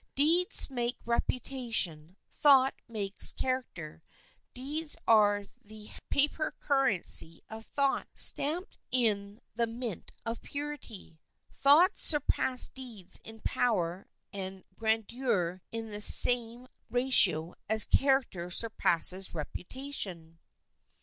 Deeds make reputation, thought makes character. Deeds are the paper currency of thought stamped in the mint of purity. Thoughts surpass deeds in power and grandeur in the same ratio as character surpasses reputation.